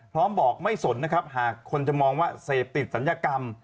พร้อมบอกไม่สนนะครับหากคนจะมองว่าเสพติดศัลยกรรม